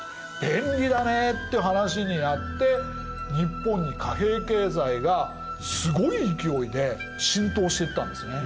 便利だね」って話になって日本に貨幣経済がすごい勢いで浸透していったんですね。